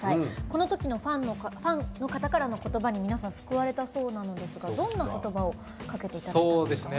このときのファンの方からのことばに皆さん救われたそうなのですがどんなことばをかけていただいたんですか？